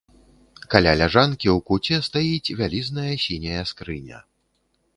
Каля ляжанкі ў куце стаіць вялізная сіняя скрыня.